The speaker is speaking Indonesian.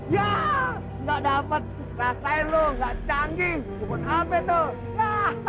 ya tidak dapat rasain lo tidak canggih itu pun ambe toh